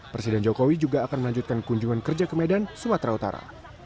presiden jokowi juga akan melanjutkan kunjungan kerja ke medan sumatera utara